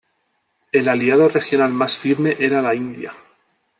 El aliado regional más firme era la India.